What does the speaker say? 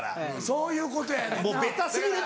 そういうことやねんな。